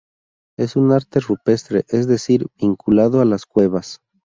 Es un arte rupestre, es decir, vinculado a las cuevas.